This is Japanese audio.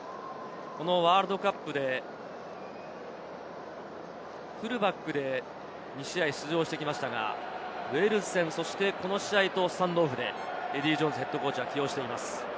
ワールドカップでフルバックで２試合出場してきましたが、ウェールズ戦、この試合とスタンドオフでエディー・ジョーンズＨＣは起用しています。